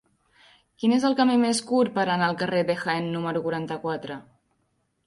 Quin és el camí més curt per anar al carrer de Jaén número quaranta-quatre?